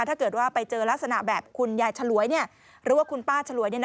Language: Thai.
ถ้าเกิดว่าไปเจอลักษณะแบบคุณยายฉลวยหรือว่าคุณป้าฉลวย